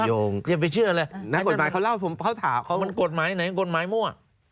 อย่าไปเชื่อเลยนักกฎหมายเขาเล่าเขาถามเขามันกฎหมายไหนกฎหมายมั่ว